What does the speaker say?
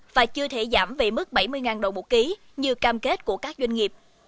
và chưa thể giảm về mức bảy mươi đồng một ký như cam kết của các doanh nghiệp